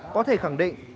có thể khẳng định